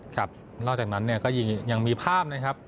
ครับนอกจากนั้นเนี่ยก็ยังมีภาพนะครับ